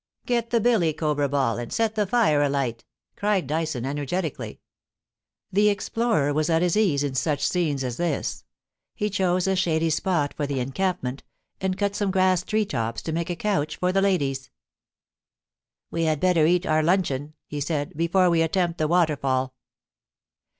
* Get the billy, Cobra Ball, and set the fire alight,' cried Dyson, energetically. The explorer was at his ease in such scenes as this. He chose a shady spot for the encampment, and cut some grass tree tops to make a couch for ihe ladies. * We had better eat our luncheon,' he said, * before we attempt the waterfall.'